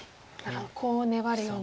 コウを粘るような。